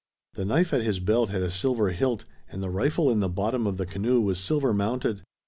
The knife at his belt had a silver hilt, and the rifle in the bottom of the canoe was silver mounted.